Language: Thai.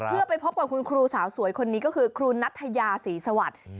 เพื่อไปพบกับคุณครูสาวสวยคนนี้ก็คือครูนัทยาศรีสวัสดิ์